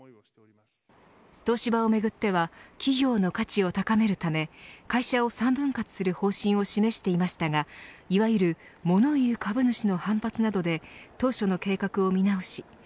東芝をめぐっては企業の価値を高めるため会社を３分割する方針を示していましたがいわゆるモノ言う株主の反発などで当初の計画を見直し